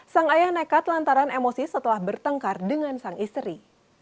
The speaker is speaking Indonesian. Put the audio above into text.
sang ayah nekat lantaran emosi setelah bertengkar dengan sang istri